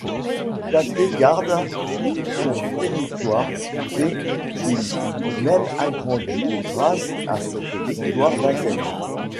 Platée garda son territoire et il fut même agrandi grâce à cette victoire d’Athènes.